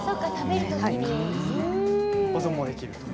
保存もできると。